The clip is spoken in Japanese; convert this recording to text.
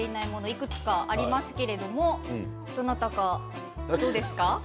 いくつかありますけれどもどなたか、どうですか？